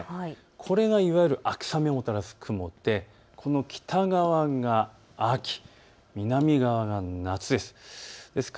これがいわゆる秋雨をもたらす雲でこの北側が秋、南側が夏です。